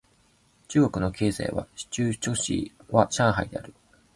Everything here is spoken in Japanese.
中国の経済の中枢都市は上海である